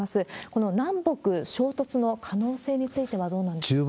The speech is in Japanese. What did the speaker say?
この南北衝突の可能性についてはどうなんでしょう？